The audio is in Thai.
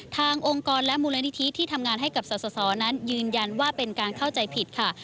องค์กรและมูลนิธิที่ทำงานให้กับสสนั้นยืนยันว่าเป็นการเข้าใจผิดค่ะ